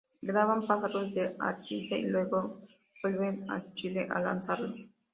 Graban Pájaros de Arcilla, y luego vuelven a Chile a lanzarlo.